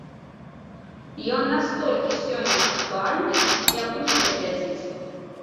Ён настолькі сёння актуальны, як у душу глядзіць.